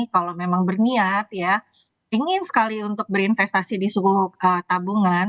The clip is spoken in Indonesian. kalau memang berniat ya ingin sekali untuk berinvestasi di suku tabungan